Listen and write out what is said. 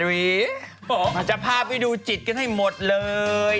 เสียสีจะพาไปดูจิตกันให้หมดเลย